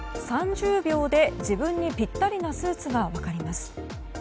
３０秒で自分にぴったりのスーツが分かります。